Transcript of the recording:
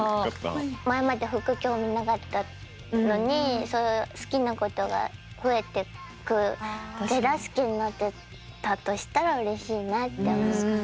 前まで服興味なかったのにそういう好きなことが増えてく手助けになってたとしたらうれしいなって思った。